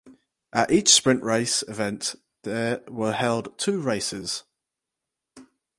At each Sprint race event there were held two races.